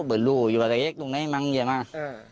เบอร์ลูอยู่แบบนี้ตรงนี้มั้งเยอะมาก